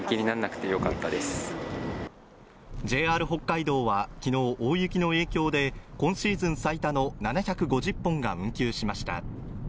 ＪＲ北海道は昨日大雪の影響で今シーズン最多の７５０本が運休しました